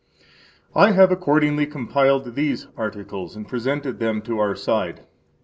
2 I have accordingly compiled these articles and presented them to our side.